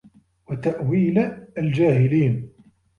وَتَأْوِيلَ الْجَاهِلِينَ